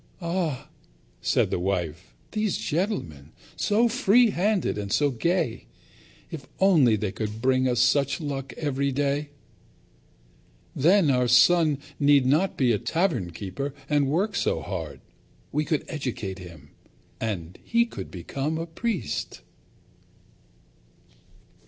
"Ah!" said the wife, "these gentlemen! So freehanded and so gay! If only they could bring us such luck every day! Then our son need not be a tavern keeper and work so hard. We could educate him, and he could become a priest."